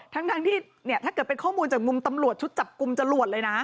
ทั้งที่เนี่ยถ้าเกิดเป็นข้อมูลจากมุมตำรวจชุดจับกลุ่มจรวดเลยนะ